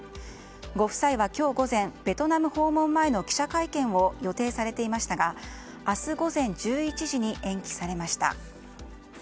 ご夫妻は、今日午前ベトナム訪問前の記者会見を予定されていましたが明日午前１１時に延期されました。